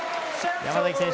山崎選手